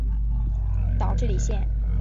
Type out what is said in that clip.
岛智里线